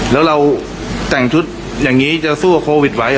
แล้วเราแต่งชุดอย่างนี้จะสู้กับโควิดไว้